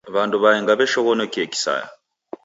W'andu w'aenga w'ishoghonokie kisaya.